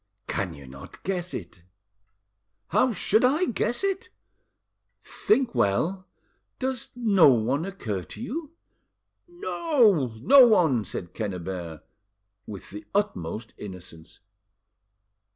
"Can you not guess it?" "How should I guess it?" "Think well. Does no one occur to you?" "No, no one," said Quennebert, with the utmost innocence.